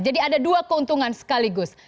jadi ada dua keuntungan sekaligus